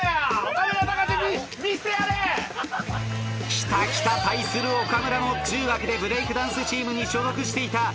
きたきた対する岡村も中学でブレイクダンスチームに所属していたＢボーイ。